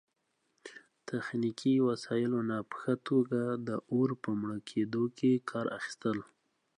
تخنیکي وسایلو نه په ښه توګه د اور په مړه کیدو کې کار اخیستل